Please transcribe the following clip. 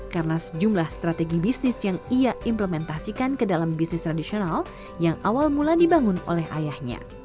karena sejumlah strategi bisnis yang ia implementasikan ke dalam bisnis tradisional yang awal mula dibangun oleh ayahnya